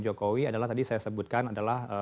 jokowi adalah tadi saya sebutkan adalah